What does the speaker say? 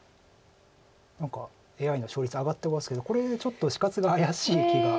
何かＡＩの勝率上がってますけどこれちょっと死活が怪しい気が。